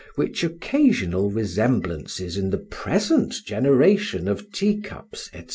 which occasional resemblances in the present generation of tea cups, &c.